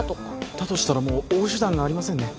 だとしたらもう追う手段がありませんね